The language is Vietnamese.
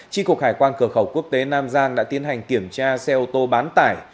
tri cục hải quan cửa khẩu quốc tế nam giang đã tiến hành kiểm tra xe ô tô bán tải